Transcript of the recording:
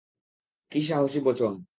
কী সাহসী বচন!